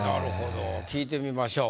聞いてみましょう。